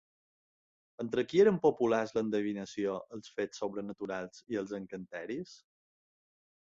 Entre qui eren populars l'endevinació, els fets sobrenaturals i els encanteris?